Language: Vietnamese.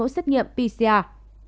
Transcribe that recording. xét nghiệm pcr